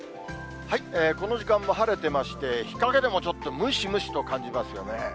この時間も晴れてまして、日陰でもちょっとムシムシと感じますよね。